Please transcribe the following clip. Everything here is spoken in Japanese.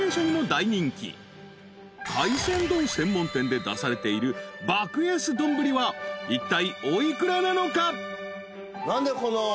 ［海鮮丼専門店で出されている爆安丼はいったいお幾らなのか？］